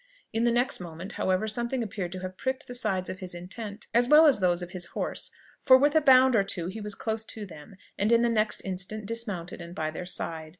In the next moment, however, something appeared to have pricked the sides of his intent, as well as those of his horse; for with a bound or two he was close to them, and in the next instant dismounted and by their side.